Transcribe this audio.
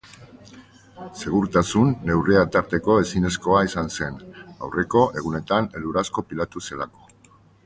Segurtasun neurriak tarteko ezinezkoa izan zen, aurreko egunetan elur asko pilatu zelako.